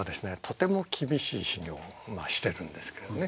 とても厳しい修行をしてるんですけどね。